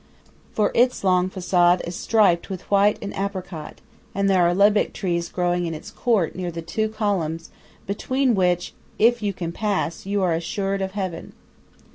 For its long façade is striped with white and apricot, and there are lebbek trees growing in its court near the two columns between which if you can pass you are assured of heaven.